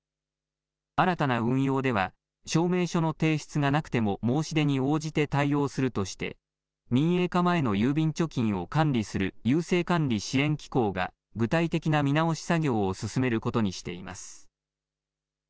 新たな運用では証明書の提出がなくても申し出に応じて対応するとして民営化前の郵便貯金を管理する郵政管理・支援機構が具体的な見直し作業を進めることにしています。